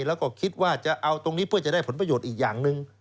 แล้วก็คิดว่าจะเอาตรงนี้เพื่อจะได้ผลประโยชน์อีกอย่างหนึ่ง